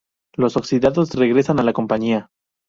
Los oxidados regresan a la compañía.